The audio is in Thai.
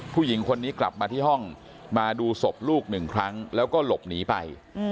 ผู้หญิงคนนี้กลับมาที่ห้องมาดูศพลูกหนึ่งครั้งแล้วก็หลบหนีไป